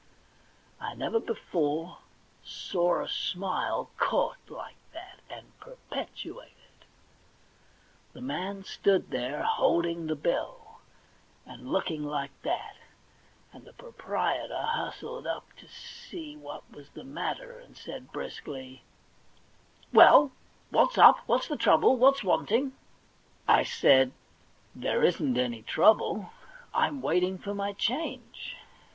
I never before saw a smile caught like that, and perpetuated. The man stood there holding the bill, and looking like that, and the proprietor hustled up to see what was the matter, and said briskly :* Well, what's up ? what's the trouble ? what's wanting ?' I said, * There isn't any trouble. I'm waiting for my change.'